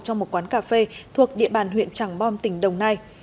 trong một quán cà phê thuộc địa bàn huyện tràng bom tỉnh đồng nai